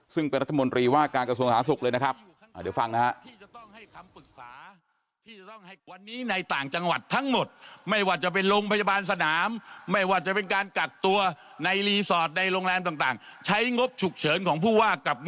ซึ่งเป็นรัฐมนตรีว่าการกระทรวงสาธารณสุขเลยนะครับ